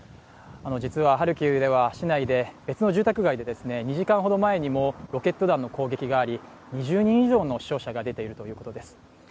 実はハルキウでは別の住宅街で２時間ほど前にもロケット弾の攻撃があり２０人以上の死傷者が出ているということです。